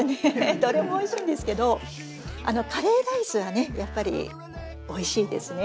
どれもおいしいんですけどカレーライスはやっぱりおいしいですね。